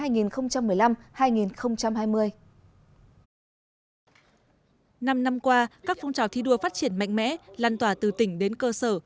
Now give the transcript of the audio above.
năm năm qua các phong trào thi đua phát triển mạnh mẽ lan tỏa từ tỉnh đến cơ sở